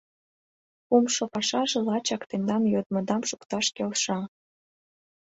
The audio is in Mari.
Кумшо пашаже лачак тендан йодмыдам шукташ келша.